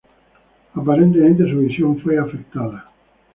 Aparentemente, su visión fue afectada.